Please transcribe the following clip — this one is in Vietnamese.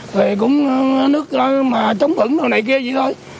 thì cũng nước chống phẫn nào này kia vậy thôi